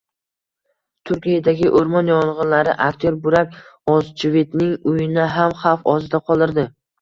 Turkiyadagi o‘rmon yong‘inlari aktyor Burak O‘zchivitning uyini ham xavf ostida qoldirdi